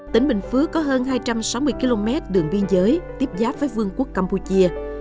tỉnh bình phước có hơn hai trăm sáu mươi km đường biên giới tiếp giáp với vương quốc campuchia